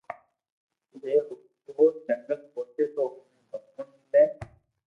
جڻي او جنگل پوچي تو اوني ڀگوان ملي